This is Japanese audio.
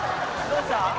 どうした？